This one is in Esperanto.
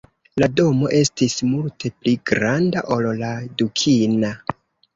La domo estis multe pli granda ol la dukina.